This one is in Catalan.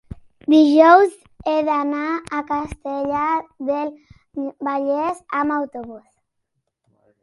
dijous he d'anar a Castellar del Vallès amb autobús.